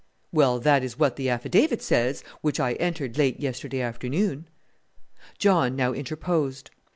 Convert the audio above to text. "Well, that is what the affidavit says which I entered late yesterday afternoon." John now interposed.